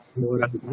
semua orang di sini